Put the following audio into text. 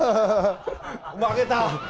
負けた。